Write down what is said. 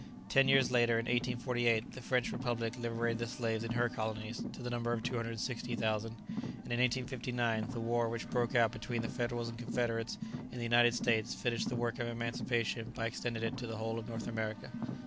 Ten years later, in 1848, the French Republic liberated the slaves in her colonies to the number of 260,000, and in 1859 the war which broke out between the Federals and Confederates in the United States finished the work of emancipation by extending it to the whole of North America.